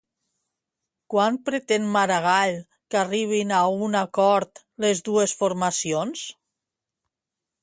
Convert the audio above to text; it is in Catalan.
Quan pretén Maragall que arribin a un acord les dues formacions?